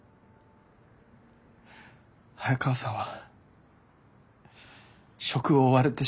早川さんは職を追われてしまった。